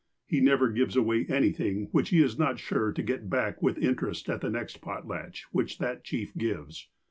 He never gives away anything which he is not sure to get back with interest at the next potlatch which that chief gives.